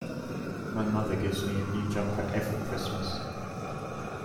My mother gives me a new jumper every Christmas